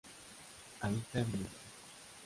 Habita en Benín.